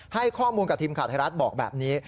ให้ข้อมูลกับทีมข่าวไทยรัฐบอกแบบนี้